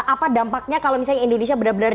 apa dampaknya kalau misalnya indonesia benar benar